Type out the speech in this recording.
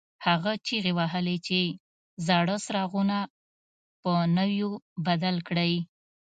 هغه چیغې وهلې چې زاړه څراغونه په نویو بدل کړئ.